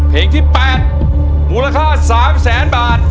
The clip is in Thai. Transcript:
เพลงที่๘มูลค่า๓แสนบาท